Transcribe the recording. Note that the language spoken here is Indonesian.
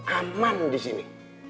aman di sini